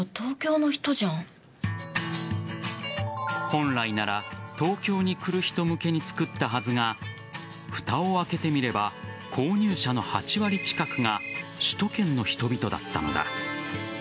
本来なら東京に来る人向けに作ったはずがふたを開けてみれば購入者の８割近くが首都圏の人々だったのだ。